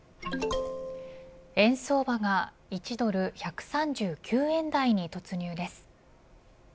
円相場が１ドル１３９円台に突入です。